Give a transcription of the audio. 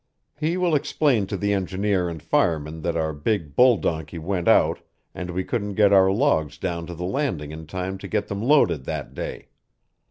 He will explain to the engineer and fireman that our big bull donkey went out and we couldn't get our logs down to the landing in time to get them loaded that day.